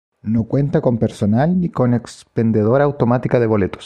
No cuenta con personal ni con expendedora automática de boletos.